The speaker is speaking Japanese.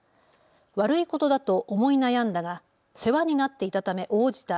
悪いことだと思い悩んだが世話になっていたため応じた。